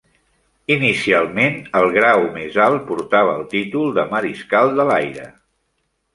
Inicialment, el grau més alt portava el títol de mariscal de l'aire.